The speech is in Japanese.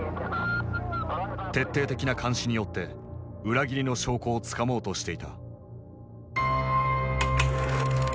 徹底的な監視によって裏切りの証拠をつかもうとしていた。